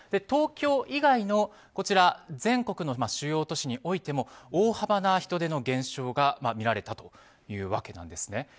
東京以外の全国の主要都市においても大幅な人出の減少が見られたというわけなんですね。